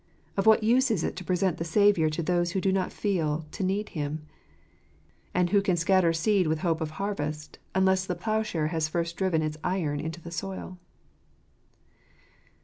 Of what use is it to present the Saviour to those who do not feel to need Him ? And who can scatter seed with hope of harvest, unless the ploughshare has first driven its iron into the soil